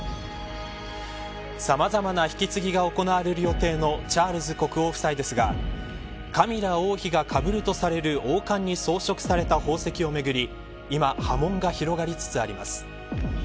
さまざまな引き継ぎが行われる予定のチャールズ国王夫妻ですがカミラ王妃がかぶるとされる王冠に装飾された宝石をめぐり、今波紋が広がりつつあります。